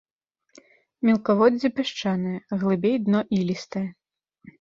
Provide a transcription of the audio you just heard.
Мелкаводдзе пясчанае, глыбей дно ілістае.